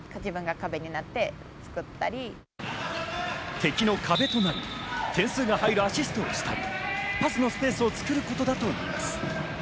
敵の壁となり、点数が入るアシストをしたり、パスのスペースを作ることだといいます。